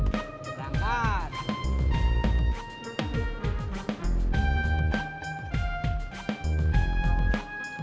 satu dari satu derajat